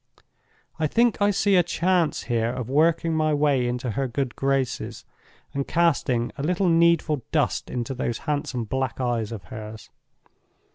I think I see a chance here of working my way into her good graces, and casting a little needful dust into those handsome black eyes of hers.